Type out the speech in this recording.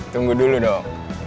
tunggu dulu dong